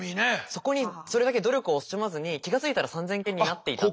そこにそれだけ努力を惜しまずに気が付いたら３，０００件になっていたっていう。